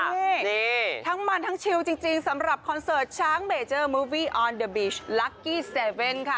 นี่ทั้งมันทั้งชิลจริงสำหรับคอนเสิร์ตช้างเมเจอร์มูวี่อออนเดอร์บีชลักกี้เซเว่นค่ะ